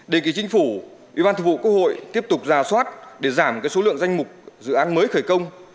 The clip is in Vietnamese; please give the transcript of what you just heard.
đề nghị chính phủ ủy ban thủ vụ quốc hội tiếp tục rà soát để giảm số lượng danh mục dự án mới khởi công